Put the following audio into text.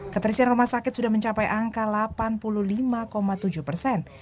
keterisian rumah sakit sudah mencapai angka delapan puluh lima tujuh persen